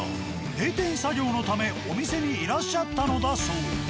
閉店作業のためお店にいらっしゃったのだそう。